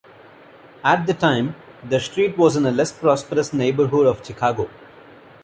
At the time, the street was in a less prosperous neighborhood of Chicago.